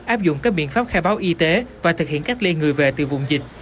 áp dụng các biện pháp khai báo y tế và thực hiện cách ly người về từ vùng dịch